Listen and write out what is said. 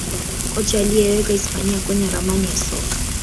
Kocha aliyeiweka hispania kwenye ramani ya soka